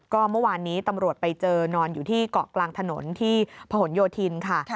ก็เมื่อวานนี้ตำรวจไปเจอนอนอยู่ที่เกาะกลางถนนที่ผนโยธินค่ะ